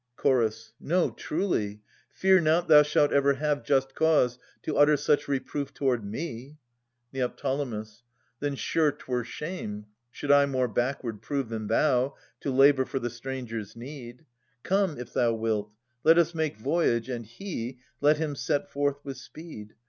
Ch. No, truly! Fear not thou shalt ever have Just cause to utter such reproof toward me. Ned. Then sure 'twere shame, should I more backward prove Than thou, to labour for the stranger's need. Come, if thou wilt, let us make voyage, and he, Let him set forth with speed.